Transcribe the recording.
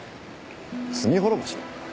罪滅ぼし？